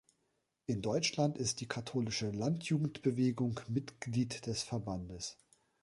In Deutschland ist die Katholische Landjugendbewegung Mitglied des Verbandes.